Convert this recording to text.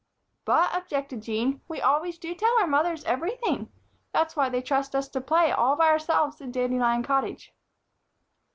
"But," objected Jean, "we always do tell our mothers everything. That's why they trust us to play all by ourselves in Dandelion Cottage."